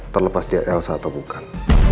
terlepas dia elsa atau bukan